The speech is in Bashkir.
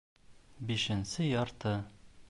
Бишенсе ярты